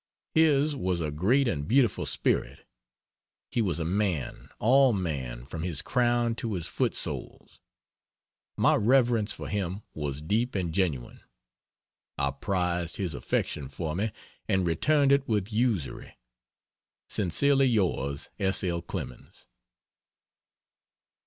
His was a great and beautiful spirit, he was a man all man from his crown to his foot soles. My reverence for him was deep and genuine; I prized his affection for me and returned it with usury. Sincerely Yours, S. L. CLEMENS.